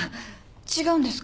違うんですか？